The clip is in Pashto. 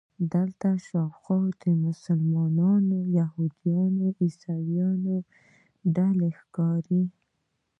دلته شاوخوا د مسلمانانو، یهودانو او عیسویانو ډلې ښکاري.